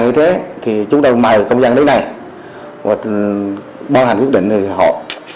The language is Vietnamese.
thực tế thì trong thời gian qua ở một số địa phương trong cả nước